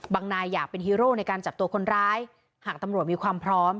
นายอยากเป็นฮีโร่ในการจับตัวคนร้ายหากตำรวจมีความพร้อม